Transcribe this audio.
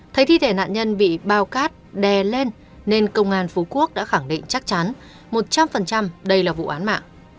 thấy thi thể nạn nhân bị bao cát đè lên nên công an phú quốc đã khẳng định chắc chắn một trăm linh đây là vụ án mạng